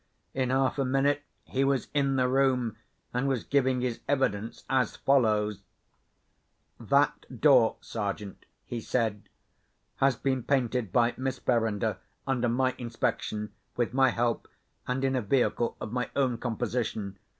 In half a minute he was in the room, and was giving his evidence as follows: "That door, Sergeant," he said, "has been painted by Miss Verinder, under my inspection, with my help, and in a vehicle of my own composition.